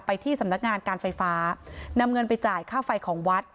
ที่สำนักงานการไฟฟ้านำเงินไปจ่ายค่าไฟของวัด